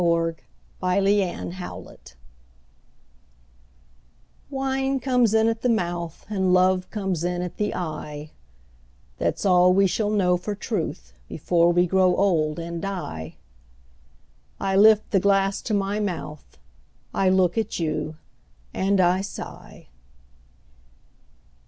A DRINKING SONG Wine comes in at the mouth And love comes in at the eye; That's all we shall know for truth Before we grow old and die. I lift the glass to my mouth, I look at you, and I sigh.